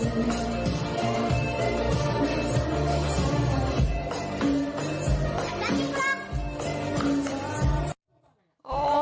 จำตาดีครับ